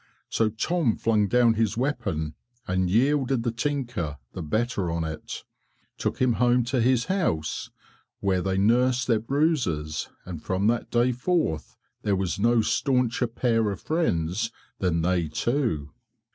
So Tom flung down his weapon and yielded the tinker the better on it, took him home to his house, where they nursed their bruises and from that day forth there was no stauncher pair of friends than they two.